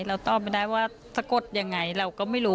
เราตอบไม่ได้ว่าสะกดยังไงเราก็ไม่รู้